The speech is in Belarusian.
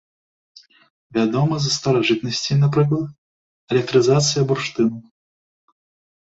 Вядома з старажытнасці, напрыклад, электрызацыя бурштыну.